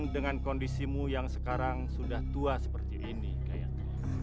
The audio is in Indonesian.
dengan kondisimu yang sekarang sudah tua seperti ini kayaknya